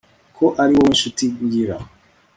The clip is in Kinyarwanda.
ko ariwowe nshuti ngira